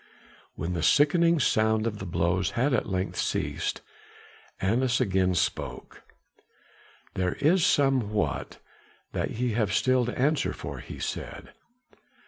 When the sickening sound of the blows had at length ceased, Annas again spoke. "There is somewhat that ye have still to answer for," he said.